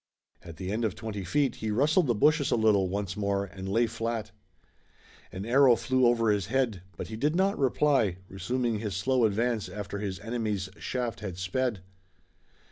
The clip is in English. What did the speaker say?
At the end of twenty feet he rustled the bushes a little once more and lay flat. An arrow flew over his head, but he did not reply, resuming his slow advance after his enemy's shaft had sped.